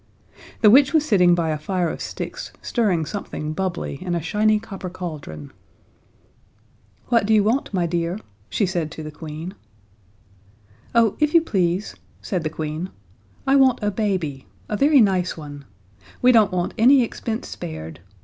The witch was sitting by a fire of sticks, stirring something bubbly in a shiny copper cauldron. "What do you want, my dear?" she said to the Queen. "Oh, if you please," said the Queen, "I want a baby a very nice one. We don't want any expense spared.